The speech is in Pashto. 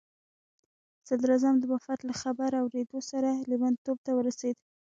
صدراعظم د وفات له خبر اورېدو سره لیونتوب ته ورسېد.